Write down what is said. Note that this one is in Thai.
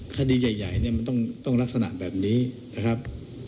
คดีใหญ่เนี่ยมันต้องลักษณะแบบนี้นะครับ